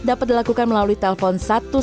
dapat dilakukan melalui telepon satu ratus dua belas